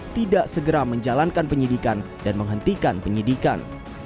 tidak segera menjalankan penyidikan dan menghentikan penyidikan